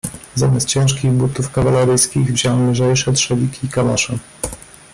"Zamiast ciężkich butów kawaleryjskich, wziąłem lżejsze trzewiki i kamasze."